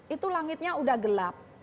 itu langitnya sudah gelap